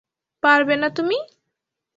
পারবে না তুমি?